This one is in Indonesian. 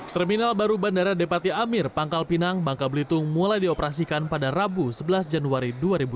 terminal baru bandara depati amir pangkal pinang bangka belitung mulai dioperasikan pada rabu sebelas januari dua ribu dua puluh